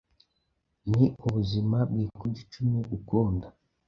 Ni ubuzima bwikubye icumi, gukunda,